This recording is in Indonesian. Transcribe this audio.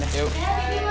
ya udah kita pergi